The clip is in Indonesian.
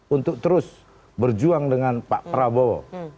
untuk terus berjuang dengan pak prabowo